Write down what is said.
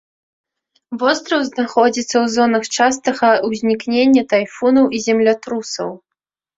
Востраў знаходзіцца ў зонах частага ўзнікнення тайфунаў і землятрусаў.